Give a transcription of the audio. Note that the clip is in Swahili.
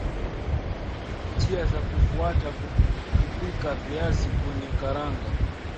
njia za kufuata kupika viazi vyenye karanga